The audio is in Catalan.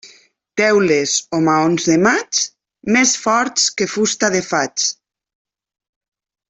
Teules o maons de maig, més forts que fusta de faig.